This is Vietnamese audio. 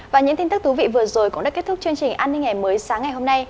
và những tin tức thú vị vừa rồi cũng đã kết thúc chương trình an ninh ngày mới sáng ngày hôm nay